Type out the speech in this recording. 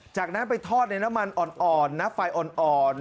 จากนั้นไปทอดในน้ำมันอ่อนน้ำไฟอ่อน